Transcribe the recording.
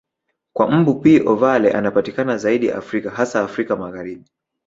Na mbu P ovale anapatikana zaidi Afrika hasa Afrika Magharibi